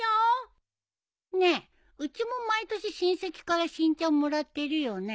ねえうちも毎年親戚から新茶もらってるよね？